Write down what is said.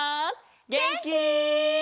げんき？